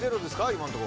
今のとこ。